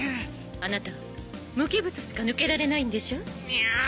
あなた無機物しか抜けられないんでしょ？にゅ。